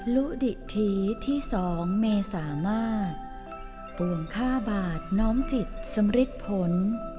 ลุดิถีที่๒เมษามากปวงค่าบาทน้อมจิตสำริดผล